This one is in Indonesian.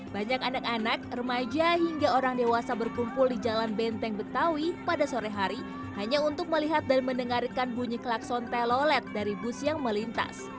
banyak anak anak remaja hingga orang dewasa berkumpul di jalan benteng betawi pada sore hari hanya untuk melihat dan mendengarkan bunyi klakson telolet dari bus yang melintas